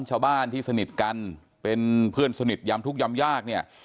ชาวบ้านที่สนิทกันเป็นเพื่อนสนิทยำทุกข์ยำยากเนี่ย